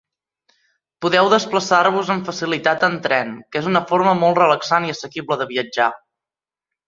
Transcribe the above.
Podeu desplaçar-vos amb facilitat en tren, que és una forma molt relaxant i assequible de viatjar.